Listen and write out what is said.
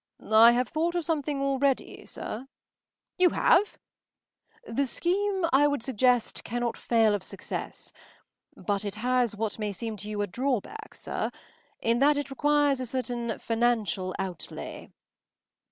” “I have thought of something already, sir.” “You have!” “The scheme I would suggest cannot fail of success, but it has what may seem to you a drawback, sir, in that it requires a certain financial outlay.